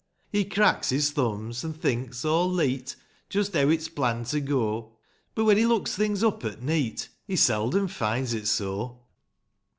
He cracks his thumbs, an' thinks o'll leet,' Just heaw it's planned to go ; But when he looks things up at neet/ He seldom finds it so.